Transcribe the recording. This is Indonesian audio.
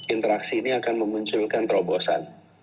interaksi ini akan memunculkan terobosan